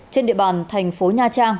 trên địa bàn thành phố nha trang